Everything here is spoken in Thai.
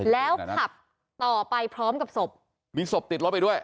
แล้วขับต่อไปพร้อมกับศพมีศพติดรถไปด้วย